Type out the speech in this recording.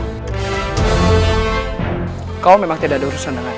aku tidak punya urusan denganmu